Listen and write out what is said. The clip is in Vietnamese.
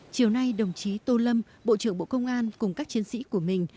chiều nay đồng chí tô lâm bộ trưởng bộ công an cùng các chiến sĩ của mình